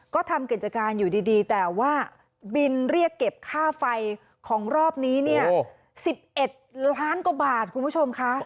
ก็ทำกิจการอยู่ดีแต่ว่าบินเรียกเก็บค่าไฟของรอบนี้เนี่ย๑๑ล้านกว่าบาทคุณผู้ชมค่ะ